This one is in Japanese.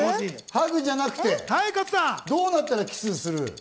ハグじゃなくて、どうなったらキスする？